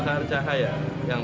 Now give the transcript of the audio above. oke es oh pelayan